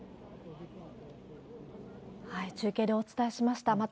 中継でお伝えしました。